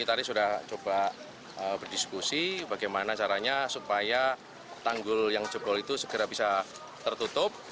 tadi sudah coba berdiskusi bagaimana caranya supaya tanggul yang jebol itu segera bisa tertutup